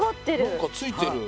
何かついてる。